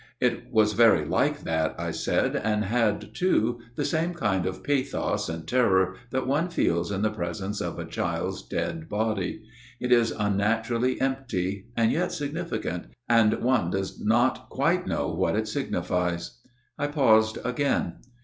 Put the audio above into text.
" It was very like that," I said, " and had, too, the same kind of pathos and terror that one feels in the presence of a child's dead body. It is unnaturally empty, and yet significant ; and one does not quite know what it signifies." I paused again.